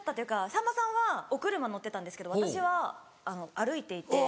さんまさんはお車乗ってたんですけど私は歩いていて。